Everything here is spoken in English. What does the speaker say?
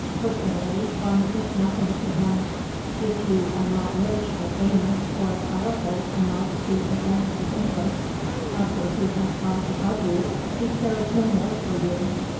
Personally one is nothing to him. If you are not rich or famous or powerful enough to advance his interests, after he has got above you he cares no more for you.